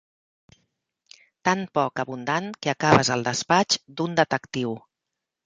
Tan poc abundant que acabes al despatx d'un detectiu.